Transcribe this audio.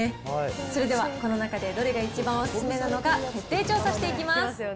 それではこの中でどれが一番お勧めなのか、徹底調査していきます。